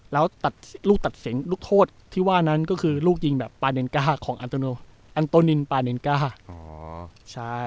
แล้วตัดลูกตัดเสียงลูกโทษที่ว่านั้นก็คือลูกยิงแบบปาเนนก้าของอันโตโนอันโตนินปาเนนก้า